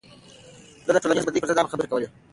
ده د ټولنيزو بديو پر ضد عامه خبرې کولې.